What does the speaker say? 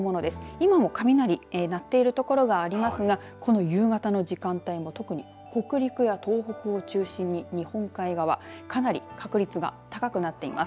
今も雷、鳴っている所がありますがこの夕方の時間帯も特に北陸や東北を中心に日本海側、かなり確率が高くなっています。